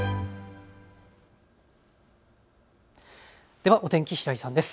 ではお天気、平井さんです。